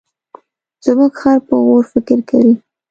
زموږ خر په غور فکر کوي.